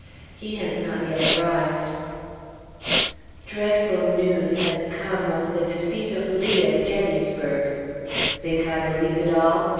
He has not yet arrived. Dreadful news has come of the defeat of Lee at Gettysburg. Think I believe it all?